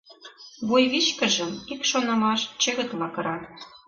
Вуйвичкыжым ик шонымаш чӧгытла кыра.